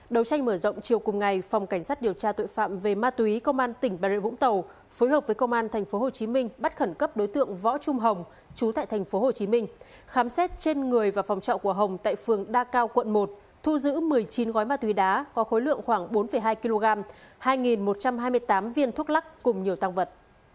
đầu tranh mở rộng chiều cùng ngày phòng cảnh sát điều tra tội phạm về ma túy công an tỉnh bà rịa vũng tàu phối hợp với công an tp hcm bắt khẩn cấp đối tượng võ trung hồng chú tại tp hcm khám xét trên người và phòng trọ của hồng tại phường đa cao quận một thu giữ một mươi chín gói ma túy đá có khối lượng khoảng bốn hai kg hai một trăm hai mươi tám viên thuốc lắc cùng nhiều tăng vật